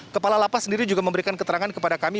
kepala lapas sendiri juga memberikan keterangan kepada kami